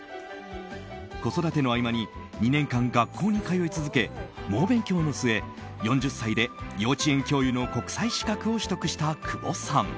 子育ての合間に２年間学校に通い続け猛勉強の末、４０歳で幼稚園教諭の国際資格を取得した久保さん。